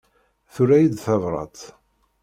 Tura-yi-d tabrat.